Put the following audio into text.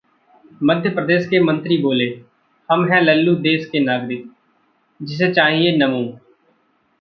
मध्य प्रदेश के मंत्री बोले- हम हैं लल्लू देश के नागरिक, जिसे चाहिए 'नमो'